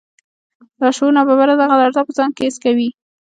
لاشعور ناببره دغه لړزه په ځان کې حس کوي